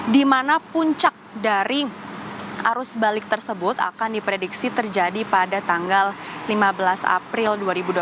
di mana puncak dari arus balik tersebut akan diprediksi terjadi pada tanggal lima belas april dua ribu dua puluh